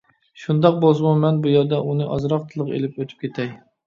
شۇنداق بولسىمۇ مەن بۇ يەردە ئۇنى ئازراق تىلغا ئېلىپ ئۆتۈپ كېتەي.